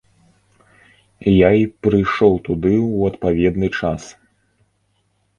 Я й прыйшоў туды ў адпаведны час.